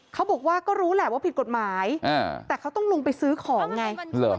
เขาบอกว่าก็รู้แหละว่าผิดกฎหมายแต่เขาต้องลงไปซื้อของไง